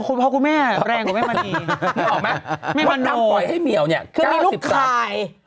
เพราะคุณแม่แรงกว่าแม่มณีน้ำปล่อยให้เมียว๙๐บาท๑๐๐บาท